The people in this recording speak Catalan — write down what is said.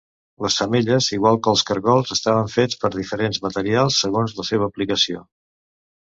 Les femelles igual què els caragols, estaven fets per diferents materials, segons la seva aplicació.